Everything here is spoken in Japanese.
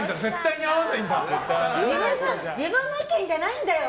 自分の意見じゃないんだよ。